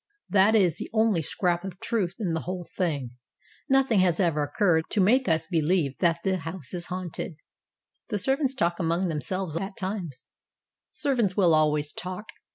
That is the only scrap of truth in the whole thing. Nothing has ever occurred to make us believe that the house is haunted." "The servants talk among themselves at times." "Servants will always talk.